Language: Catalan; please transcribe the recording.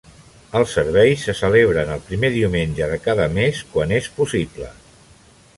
Els serveis se celebren el primer diumenge de cada mes quan és possible.